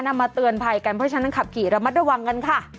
มาเตือนภัยกันเพราะฉะนั้นขับขี่ระมัดระวังกันค่ะ